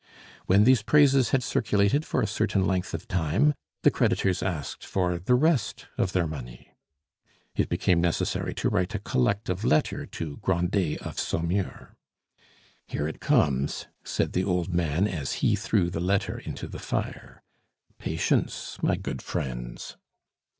When these praises had circulated for a certain length of time, the creditors asked for the rest of their money. It became necessary to write a collective letter to Grandet of Saumur. "Here it comes!" said the old man as he threw the letter into the fire. "Patience, my good friends!"